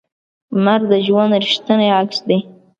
مرګ د ژوند ریښتینی عکس دی.